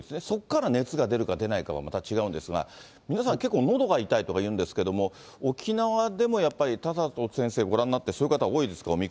そこから熱が出るか出ないかはまた違うんですが、皆さん結構、のどが痛いとか言うんですけど、沖縄でもやっぱり田里先生、ご覧になって、そういう方、多いですか？